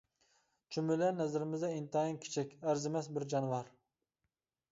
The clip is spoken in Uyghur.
چۈمۈلە نەزىرىمىزدە ئىنتايىن كىچىك، ئەرزىمەس بىر جانىۋار.